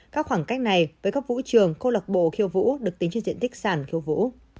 các khoảng cách này với các vũ trường câu lạc bộ khiêu vũ được tính trên diện tích sàn khiêu vũ